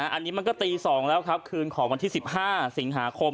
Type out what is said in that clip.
อันนี้มันก็ตี๒แล้วครับคืนของวันที่๑๕สิงหาคม